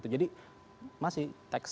jadi masih tekstur